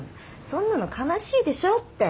そんなの悲しいでしょって。